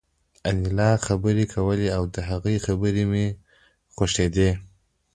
انیلا خبرې کولې او د هغې خبرې مې خوښېدې